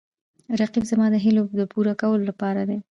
رقیب زما د هیلو د پوره کولو لپاره دی